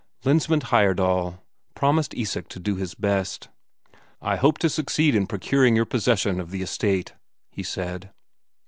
Lensmand Heyerdahl promised Isak to do his best. "I hope to succeed in procuring you possession of the estate," he said.